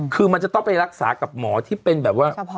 คือมันจะต้องไปรักษากับหมอที่เป็นแบบว่า